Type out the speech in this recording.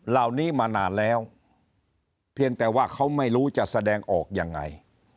เหล่านี้มานานแล้วเพียงแต่ว่าเขาไม่รู้จะแสดงออกยังไง